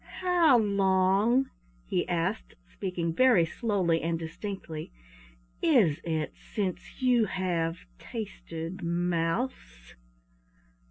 "How long," he asked, speaking very slowly and distinctly, "is it since you have tasted mouse?"